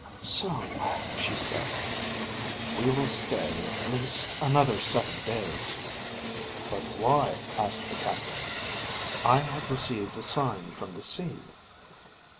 _ "So," she said. "We will stay at least another seven days." "But why?" asked the captain. _"I have received a sign from the sea."